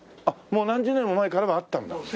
あっもう何十年も前からはあったんだ。